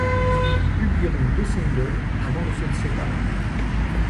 Ils publieront deux singles avant de se séparer.